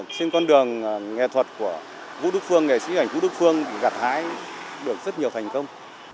trên con đường nghệ thuật của vũ đức phương nghệ sĩ ảnh vũ đức phương gặt hái được rất nhiều thành công